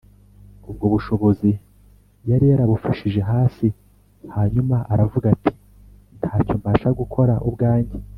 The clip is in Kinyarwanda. ” ubwo bushobozi yari yarabufashije hasi, hanyuma aravuga ati: “nta cyo mbasha gukora ubwanjye